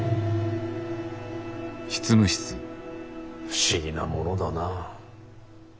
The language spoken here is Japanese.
不思議なものだな。